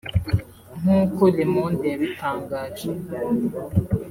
nk’uko Le Monde yabitangaje